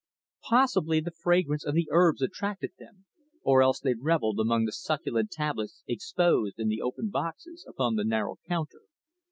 Possibly the fragrance of the herbs attracted them, or else they revelled among the succulent tablets exposed in the open boxes upon the narrow counter.